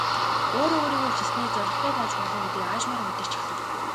Өөрөө өөрийгөө хүчилснээр зорилготой болж болно гэдгийг аажмаар мэдэрч эхлэв.